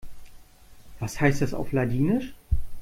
Was heißt das auf Ladinisch?